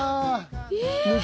えっ！